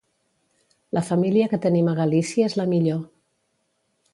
La família que tenim a Galícia és la millor.